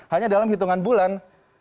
hanya dalam hitungan bulan